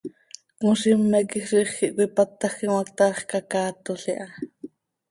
Cmozime quij ziix quih cöipátajquim hac, taax cacaatol iha.